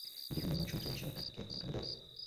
গৃহ নির্মাণ সঞ্চয়ী হিসাবের টাকা কি এখন উঠানো যাবে?